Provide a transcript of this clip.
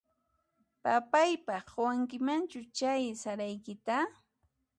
Papayqaq quwankimanchu chay saraykita?